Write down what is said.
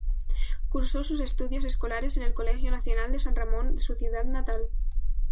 Cursó sus estudios escolares en el Colegio Nacional San Ramón, de su ciudad natal.